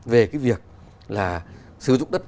về cái việc là sử dụng đất